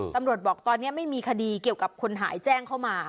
ตำรวจบอกตอนนี้ไม่มีคดีเกี่ยวกับคนหายแจ้งเข้ามา